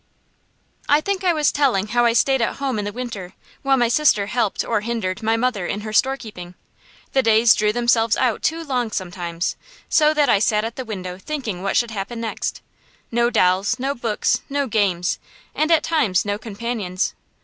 I think I was telling how I stayed at home in the winter, while my sister helped or hindered my mother in her store keeping. The days drew themselves out too long sometimes, so that I sat at the window thinking what should happen next. No dolls, no books, no games, and at times no companions.